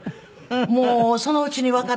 もうそのうちにわかってくる。